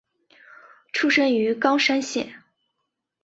出身于冈山县。